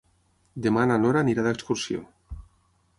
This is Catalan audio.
Demà na Nora anirà d'excursió.